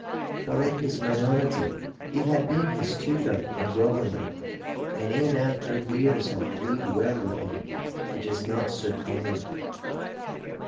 For in his minority he had been his tutor and governor, and in after years had agreed well with him, which is not so common.